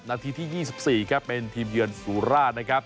นาทีที่๒๔ครับเป็นทีมเยือนสุราชนะครับ